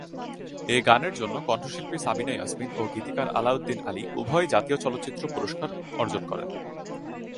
এ গানের জন্য কণ্ঠশিল্পী সাবিনা ইয়াসমিন ও গীতিকার আলাউদ্দিন আলী উভয়ই জাতীয় চলচ্চিত্র পুরস্কার অর্জন করেন।